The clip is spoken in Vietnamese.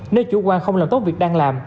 nếu chủ quan không làm tốt việc đang làm